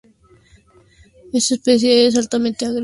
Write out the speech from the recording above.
Esta especie es altamente gregaria.